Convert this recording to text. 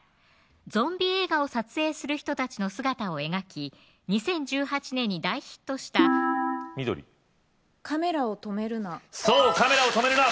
ゾンビ映画を撮影する人たちの姿を描き２０１８年に大ヒットした緑カメラを止めるな！